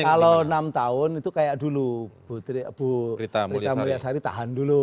kalau enam tahun itu kayak dulu bu rita mulyasari tahan dulu